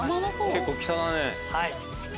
結構北だね。